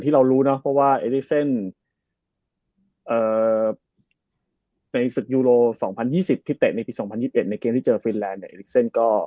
เอลิกร์เซ้นแลกถึงชกทุกคนทั้งโลก